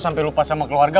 sampai lupa sama keluarga